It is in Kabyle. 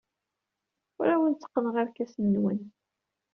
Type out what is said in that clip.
Ur awen-tteqqneɣ irkasen-nwen.